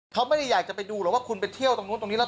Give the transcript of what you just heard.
เขาไม่ได้อยากจะไปดูหรอกว่าคุณไปเที่ยวตรงนู้นตรงนี้แล้ว